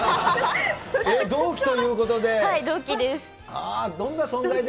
同期ということで。